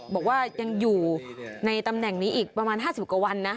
บอกว่ายังอยู่ในตำแหน่งนี้อีกประมาณ๕๐กว่าวันนะ